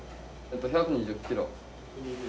１２０キロ。